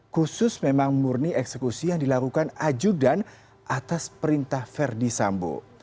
khusus memang murni eksekusi yang dilakukan ajudan atas perintah verdi sambo